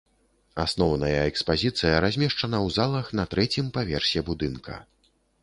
Асноўная экспазіцыя размешчана ў залах на трэцім паверсе будынка.